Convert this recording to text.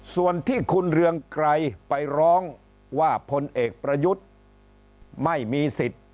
ส่วนที่คุณเรืองไกรไปร้องว่าพลเอกประยุทธ์ไม่มีสิทธิ์